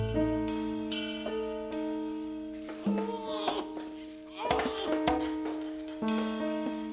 dek aku mau ke sana